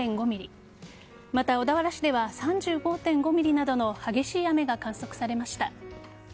また小田原市では３５．５ｍｍなどの激しい雨が観測されました。